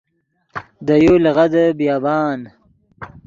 دے یو لیغدے بیابان